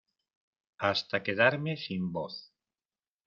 hasta quedarme sin voz.